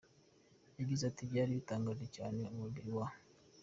Yagize ati, Byari bitangaje cyane, umubiri wa.